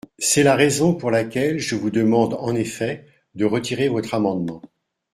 C’est la raison pour laquelle je vous demande, en effet, de retirer votre amendement.